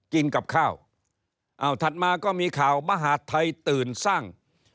กินกับข้าวเอาถัดมาก็มีข่าวมหาดไทยตื่นสร้าง